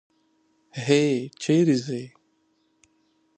هی! چېرې ځې؟